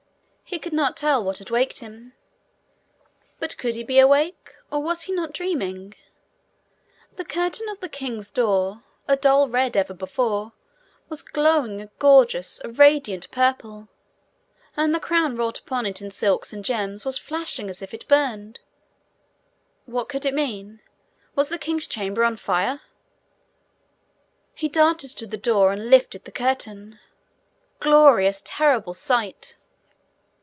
He could not tell what had waked him. But could he be awake, or was he not dreaming? The curtain of the king's door, a dull red ever before, was glowing a gorgeous, a radiant purple; and the crown wrought upon it in silks and gems was flashing as if it burned! What could it mean? Was the king's chamber on fire? He darted to the door and lifted the curtain. Glorious terrible sight!